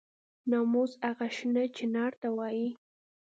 ناموس هغه شنه چنار ته وایي.